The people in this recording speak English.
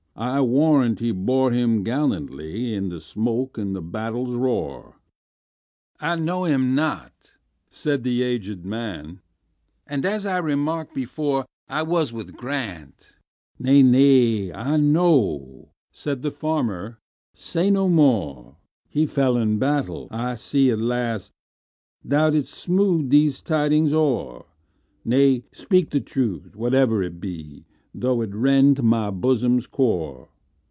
I warrant he bore him gallantlyIn the smoke and the battle's roar!""I know him not," said the aged man,"And, as I remarked before,I was with Grant"—"Nay, nay, I know,"Said the farmer, "say no more:"He fell in battle,—I see, alas! Thou 'dst smooth these tidings o'er,—Nay, speak the truth, whatever it be, Though it rend my bosom's core.